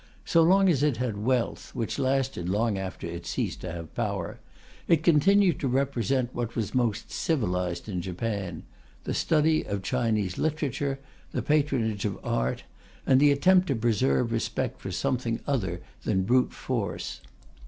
So long as it had wealth (which lasted long after it ceased to have power) it continued to represent what was most civilized in Japan: the study of Chinese literature, the patronage of art, and the attempt to preserve respect for something other than brute force.